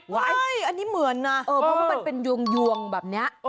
เฮ้ยอันนี้เหมือนแบบมันเป็นยวงแบบนี้